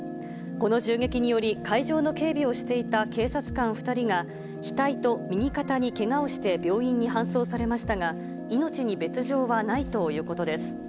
この銃撃により、会場の警備をしていた警察官２人が、額と右肩にけがをして病院に搬送されましたが、命に別状はないということです。